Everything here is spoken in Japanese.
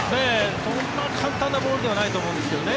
そんな簡単なボールではないと思うんですけどね。